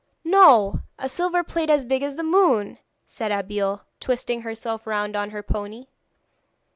'No; a silver plate as big as the moon!' said Abeille, twisting herself round on her pony.